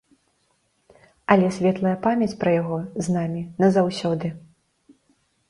Але светлая памяць пра яго з намі назаўсёды.